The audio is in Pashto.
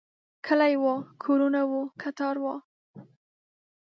کلی و، کورونه و، کتار و